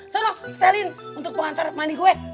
so lo setelin untuk pengantar mandi gue